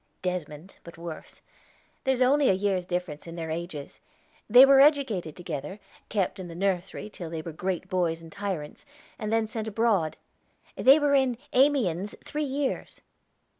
"Desmond; but worse. There's only a year's difference in their ages. They were educated together, kept in the nursery till they were great boys and tyrants, and then sent abroad. They were in Amiens three years."